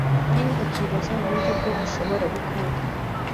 Bamwe bakibaza uburyo ngo bashobora gukunda